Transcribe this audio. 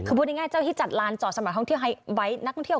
ตรงไหนเนี่ย